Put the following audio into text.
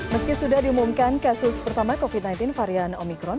meski sudah diumumkan kasus pertama covid sembilan belas varian omikron